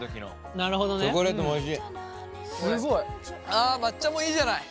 あ抹茶もいいじゃない。